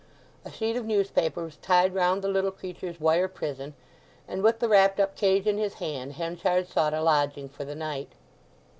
A sheet of newspaper was tied round the little creature's wire prison, and with the wrapped up cage in his hand Henchard sought a lodging for the night.